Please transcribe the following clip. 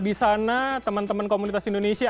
di sana teman teman komunitas indonesia